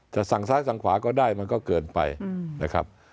สั่งซ้ายสั่งขวาก็ได้มันก็เกินไปนะครับ